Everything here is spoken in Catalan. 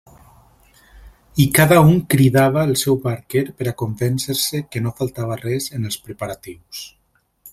I cada un cridava el seu barquer per a convèncer-se que no faltava res en els preparatius.